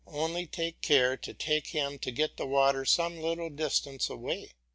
Only take care to take him to get the water some little distance away.